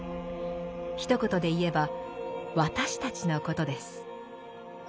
ひと言で言えば「私たち」のことです。